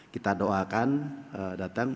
kita doakan datang